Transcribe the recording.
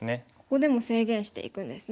ここでも制限していくんですね。